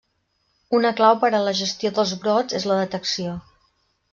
Una clau per a la gestió dels brots és la detecció.